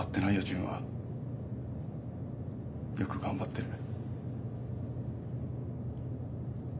純はよく頑張ってる。